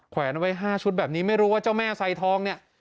แวนไว้๕ชุดแบบนี้ไม่รู้ว่าเจ้าแม่ไซทองเนี่ย